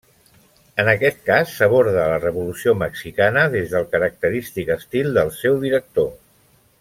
En aquest cas s'aborda la revolució mexicana des del característic estil del seu director.